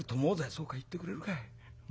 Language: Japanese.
「そうかい行ってくれるかい。